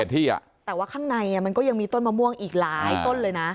แต่ว่าข้างในมันก็ยังมีต้นมะม่วงอีกหลายต้นเลยนะ